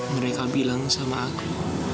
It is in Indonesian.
mereka bilang sama aku